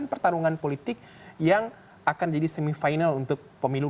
pertarungan politik yang akan jadi semifinal untuk pemilu dua ribu sembilan belas